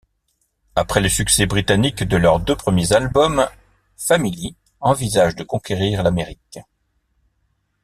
Après le succès britannique de leurs deux premiers albums, Family envisage de conquérir l'Amérique.